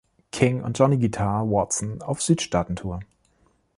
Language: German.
King und Johnny Guitar Watson auf Südstaaten-Tour.